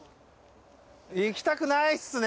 ・いきたくないっすね